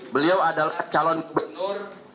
beliau adalah calon gubernur